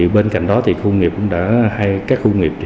bên cạnh đó thì khu công nghiệp cũng đã hay các khu công nghiệp